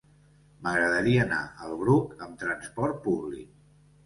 M'agradaria anar al Bruc amb trasport públic.